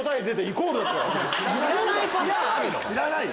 知らないの？